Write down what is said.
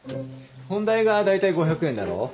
本代がだいたい５００円だろ。